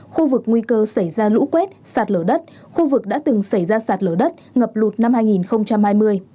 khu vực nguy cơ xảy ra lũ quét sạt lở đất khu vực đã từng xảy ra sạt lở đất ngập lụt năm hai nghìn hai mươi